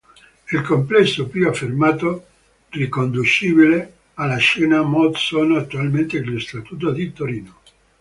Il complesso più affermato riconducibile alla scena mod sono attualmente gli Statuto di Torino.